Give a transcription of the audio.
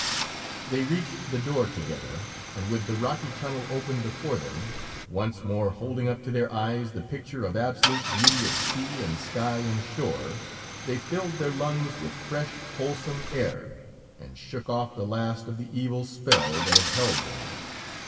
They reached the door together, and with the rocky tunnel open before them, once more holding up to their eyes the picture of absolute beauty of sea and sky and shore, they filled their lungs with fresh, wholesome air, and shook off the last of the evil spell that had held them.